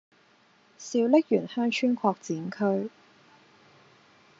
小瀝源鄉村擴展區